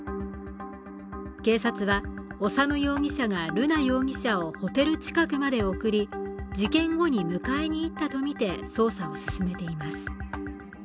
警察は、修容疑者が瑠奈容疑者をホテル近くまで送り事件後に迎えに行ったとみて捜査を進めています。